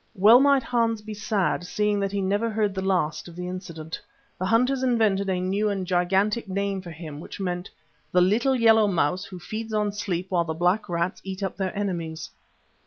Well might Hans be sad, seeing that he never heard the last of the incident. The hunters invented a new and gigantic name for him, which meant "The little yellow mouse who feeds on sleep while the black rats eat up their enemies."